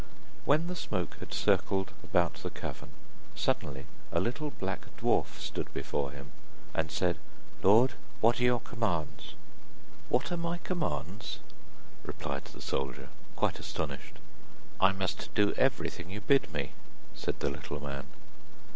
When the smoke had circled about the cavern, suddenly a little black dwarf stood before him, and said: 'Lord, what are your commands?' 'What my commands are?' replied the soldier, quite astonished. 'I must do everything you bid me,' said the little man.